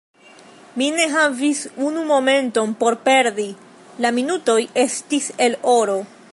Mi ne havis unu momenton por perdi: la minutoj estis el oro.